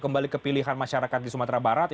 kembali kepilihan masyarakat di sumatera barat